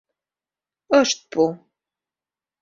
Ышт пу.